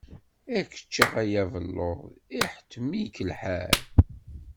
Ad k-ččeɣ a yabelluḍ, iḥettem-ik lḥal.